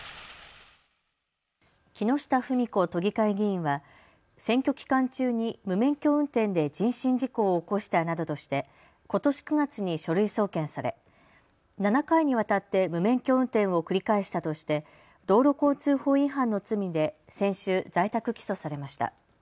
木下富美子都議会議員は選挙期間中に無免許運転で人身事故を起こしたなどとしてことし９月に書類送検され７回にわたって無免許運転を繰り返したとして道路交通法違反の罪で先週、在宅起訴されました。